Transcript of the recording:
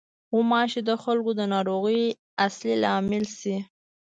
غوماشې د خلکو د ناروغۍ اصلي لامل شي.